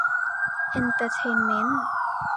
เอ็นเตอร์เทนเมนต์